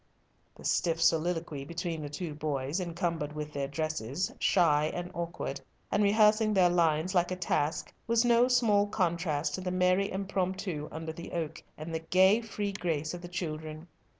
The stiff colloquy between the two boys, encumbered with their dresses, shy and awkward, and rehearsing their lines like a task, was no small contrast to the merry impromptu under the oak, and the gay, free grace of the children.